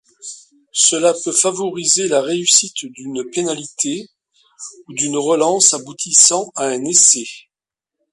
Cela peut favoriser la réussite d'une pénalité ou d'une relance aboutissant à un essai.